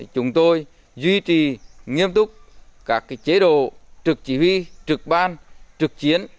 chúng tôi duy trì nghiêm túc các chế độ trực chỉ huy trực ban trực chiến